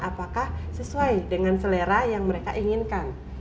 apakah sesuai dengan selera yang mereka inginkan